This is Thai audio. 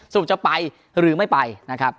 จะไปหรือไม่ไปนะครับ